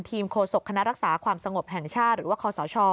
โฆษกคณะรักษาความสงบแห่งชาติหรือว่าคอสช